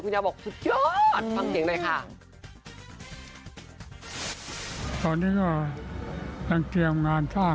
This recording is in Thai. ยายบอกสุดยอดฟังเสียงหน่อยค่ะ